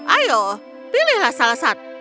ayo pilihlah salah satu